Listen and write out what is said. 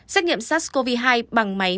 xét nghiệm sars cov hai bằng máy